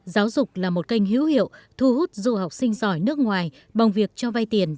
giáo dục là một kênh hữu hiệu thu hút du học sinh giỏi nước ngoài bằng việc cho vay tiền